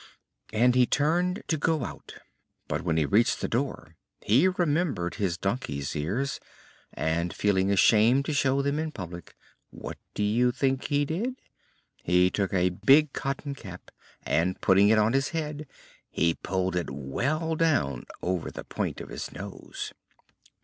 And he turned to go out. But when he reached the door he remembered his donkey's ears, and, feeling ashamed to show them in public, what do you think he did? He took a big cotton cap and, putting it on his head, he pulled it well down over the point of his nose.